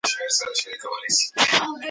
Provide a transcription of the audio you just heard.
د اوږدو ناستو مخنیوی د روژهتیانو لپاره مهم دی.